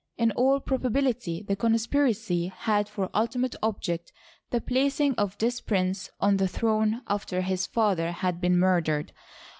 In all probability the conspiracy had for ultimate object the placing of this prince on the throne after his father had been murdered.